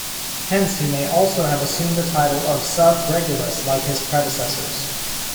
Hence he may have also assumed the title of "subregulus" like his predecessors.